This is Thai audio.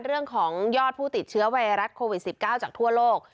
เรื่องของยอดผู้ติดเชื้อไวรัสโควิด๑๙จากทั่วโลก